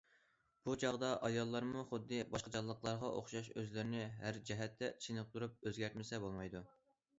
بۇ چاغدا ئاياللارمۇ خۇددى باشقا جانلىقلارغا ئوخشاش ئۆزلىرىنى ھەر جەھەتتە چېنىقتۇرۇپ ئۆزگەرتمىسە بولمايدۇ.